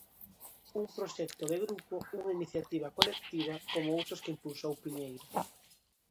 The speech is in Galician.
Un proxecto de grupo, unha iniciativa colectiva, como outras que impulsou Piñeiro.